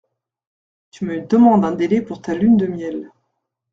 Tu me demandes un délai pour ta lune de miel.